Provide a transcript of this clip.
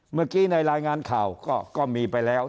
เมื่อกี้ในรายงานข่าวก็มีไปแล้ว